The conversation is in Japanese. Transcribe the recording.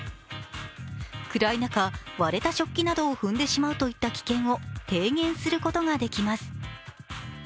暗い中、割れた食器などを踏んでしまうといった危険を低減することができます。